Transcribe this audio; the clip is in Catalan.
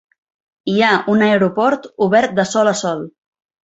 Hi ha un aeroport obert de sol a sol.